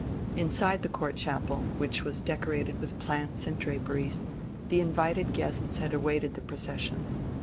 Inside the Court Chapel, which was decorated with plants and draperies, the invited guests had awaited the procession.